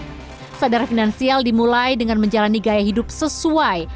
sadar finansial dimulai dengan menjalani gaya hidup sesuai